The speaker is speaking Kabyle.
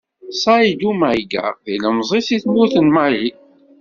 Ṣayddu Mayga d ilemzi seg tmurt n Mali.